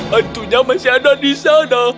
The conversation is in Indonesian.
tentunya masih ada di sana